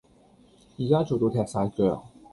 依家做到踢曬腳